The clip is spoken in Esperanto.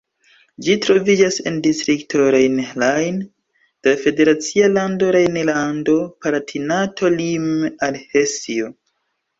Ĝi troviĝas en la distrikto Rhein-Lahn de la federacia lando Rejnlando-Palatinato, lime al Hesio.